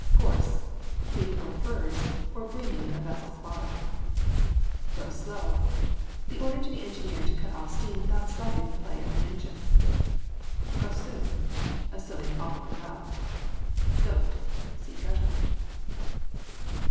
GORSE. Heath or furze for breaming a vessel's bottom. GO SLOW. The order to the engineer to cut off steam without stopping the play of the engine. GOSSOON. A silly awkward lout. GOTE. See GUTTER.